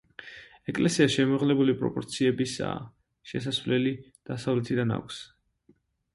ეკლესია შემაღლებული პროპორციებისაა; შესასვლელი დასავლეთიდან აქვს.